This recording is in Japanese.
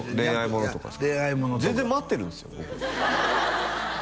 僕全然待ってるんですよ